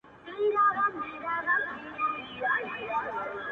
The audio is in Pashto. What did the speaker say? كاڼي به هېر كړمه خو زړونه هېرولاى نه سـم.